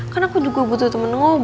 kan aku juga butuh temen ngoboknya